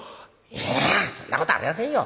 いやそんなことありませんよ！